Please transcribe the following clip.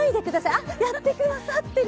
あっ、やってくださっている！